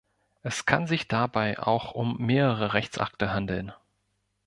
Es kann sich dabei auch um mehrere Rechtsakte handeln.